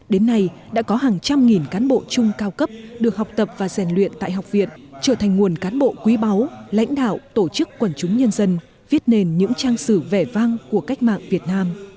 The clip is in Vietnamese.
đến nay đã có hàng trăm nghìn cán bộ chung cao cấp được học tập và rèn luyện tại học viện trở thành nguồn cán bộ quý báu lãnh đạo tổ chức quần chúng nhân dân viết nền những trang sử vẻ vang của cách mạng việt nam